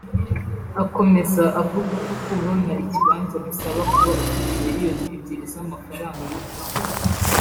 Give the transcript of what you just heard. Akomeza avuga ko kubona ikibanza bisaba kuba ufite miliyoni ebyiri z’amafaranga y’u Rwanda